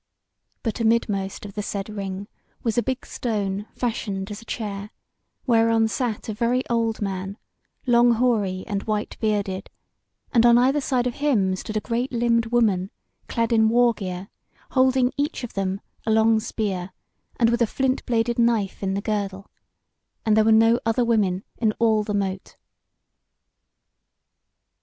But amidmost of the said Ring was a big stone, fashioned as a chair, whereon sat a very old man, long hoary and white bearded, and on either side of him stood a great limbed woman clad in war gear, holding, each of them, a long spear, and with a flint bladed knife in the girdle; and there were no other women in all the Mote.